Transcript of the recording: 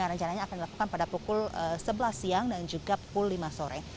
rencananya akan dilakukan pada pukul sebelas siang dan juga pukul lima sore